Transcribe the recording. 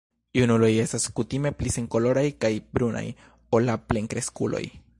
Junuloj estas kutime pli senkoloraj kaj brunaj ol la plenkreskuloj.